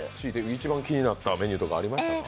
一番気になったメニューとかありましたか？